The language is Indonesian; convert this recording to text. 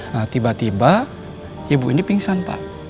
nah tiba tiba ibu ini pingsan pak